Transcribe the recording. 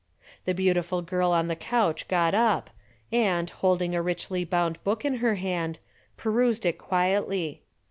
The beautiful girl on the couch got up and, holding a richly bound book in her hand, perused it quietly.